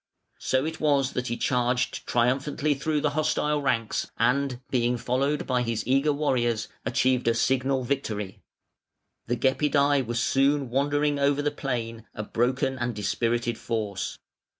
So it was that he charged triumphantly through the hostile ranks, and, being followed by his eager warriors, achieved a signal victory. The Gepidæ were soon wandering over the plain, a broken and dispirited force.